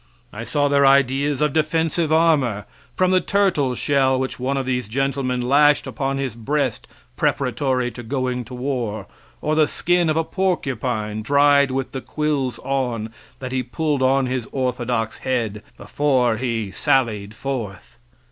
I saw their ideas of defensive armor, from the turtle shell which one of these gentlemen lashed upon his breast preparatory to going to war, or the skin of a porcupine, dried with the quills on, that he pulled on his orthodox head before he sallied forth.